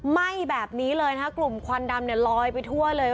ไหม้แบบนี้เลยนะคะกลุ่มควันดำเนี่ยลอยไปทั่วเลย